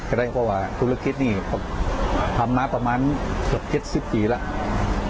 จะได้เพราะว่าธุรกิจนี่ทำมาประมาณเกือบ๗๐ปีแล้ว